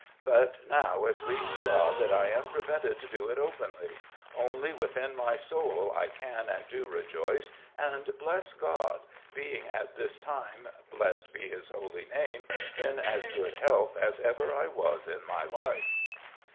But now it pleased God that I am prevented to do it openly: Only within my soul I can and do rejoice, and bless God, being at this time, blessed be His holy name, in as good health as ever I was in my life.